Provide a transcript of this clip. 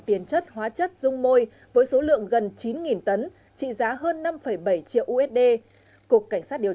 tiền chất hóa chất dung môi với số lượng gần chín tấn trị giá hơn năm bảy triệu usd cục cảnh sát điều